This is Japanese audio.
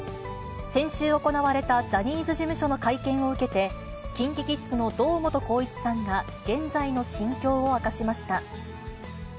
先週行われたジャニーズ事務所の会見を受けて、ＫｉｎＫｉＫｉｄｓの堂本光一さんが現在の心境を明かしました。